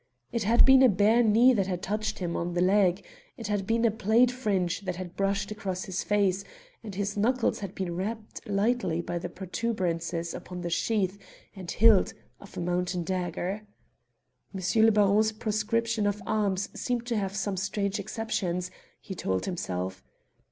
It had been a bare knee that had touched him on the leg; it had been a plaid fringe that had brushed across his face; and his knuckles had been rapped lightly by the protuberances upon the sheath and hilt of a mountain dagger. M. le Baron's proscription of arms seemed to have some strange exceptions, he told himself.